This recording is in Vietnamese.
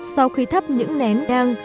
sau khi thắp những nén đen